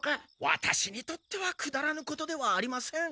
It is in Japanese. ワタシにとってはくだらぬことではありません。